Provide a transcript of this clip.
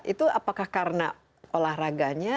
itu apakah karena olahraganya